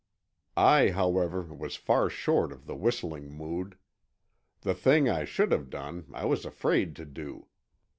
I, however, was far short of the whistling mood. The thing I should have done I was afraid to do.